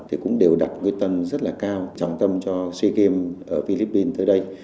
thì cũng đều đặt quyết tâm rất là cao trọng tâm cho sea games ở philippines tới đây